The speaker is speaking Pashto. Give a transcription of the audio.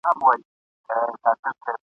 پر هغه وعده ولاړ یم په ازل کي چي مي کړې ..